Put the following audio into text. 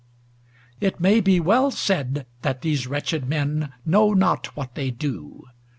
It may be well said that these wretched men know not what they do.